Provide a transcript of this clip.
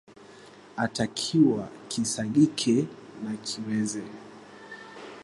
atakiwa kisagike na kiweze